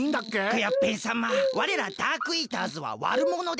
クヨッペンさまわれらダークイーターズはわるものです。